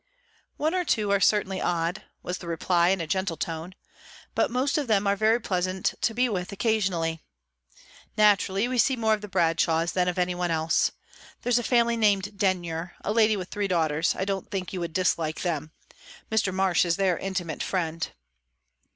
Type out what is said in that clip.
"One or two are certainly odd," was the reply, in a gentle tone; "but most of them are very pleasant to be with occasionally. Naturally we see more of the Bradshaws than of any one else. There's a family named Denyer a lady with three daughters; I don't think you would dislike them. Mr. Marsh is their intimate friend."